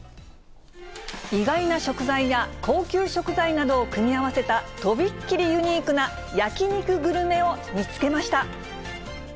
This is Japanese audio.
意外な食材や、高級食材などを組み合わせた、飛びっ切りユニークな焼き肉グルメを見つけました。